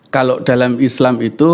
kalau dalam islam itu